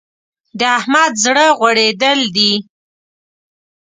د احمد زړه غوړېدل دی.